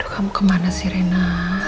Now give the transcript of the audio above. kamu kemana sih reina